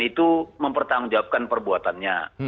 itu mempertanggung jawabkan perbuatannya